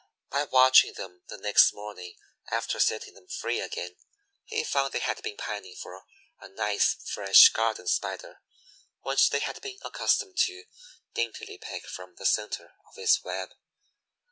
By watching them the next morning after setting them free again, he found they had been pining for a nice fresh garden Spider which they had been accustomed to daintily pick from the center of his web.